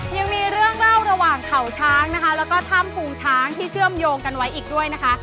ยังมีเรื่องเล่าระหว่างเขาช้างนะคะแล้วก็ถ้ำภูงช้างที่เชื่อมโยงกันไว้อีกด้วยนะคะ